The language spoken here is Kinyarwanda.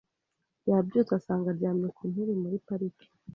Yabyutse asanga aryamye ku ntebe muri parike .